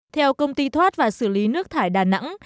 theo công ty thoát và xử lý nước thải đà nẵng